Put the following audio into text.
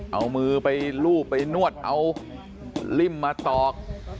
เอามือไปลูบไปนวดเอาลิ่มมาตอก